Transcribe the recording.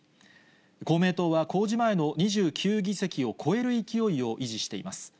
公明党は、公示前の２９議席を超える勢いを維持しています。